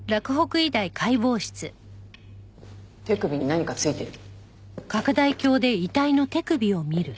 手首に何かついてる。